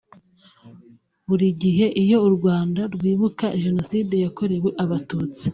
Buri gihe iyo u Rwanda rwibuka Jenoside yakorewe abatutsi